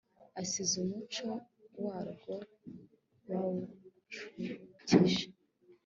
asize umuco warwo bawucukije